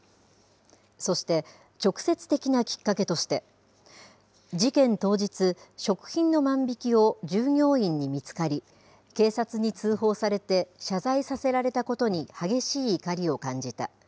そして、直接的なきっかけとして、事件当日、食品の万引きを従業員に見つかり、警察に通報されて、謝罪させられたことに激しい怒りを感じた。